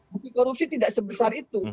bukti korupsi tidak sebesar itu